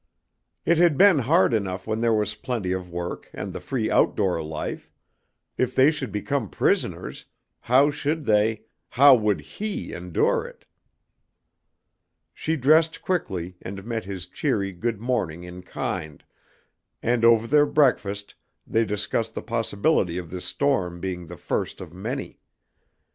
It had been hard enough when there was plenty of work, and the free outdoor life; if they should become prisoners, how should they, how would he endure it? She dressed quickly, and met his cheery "good morning" in kind, and over their breakfast they discussed the possibility of this storm being the first of many.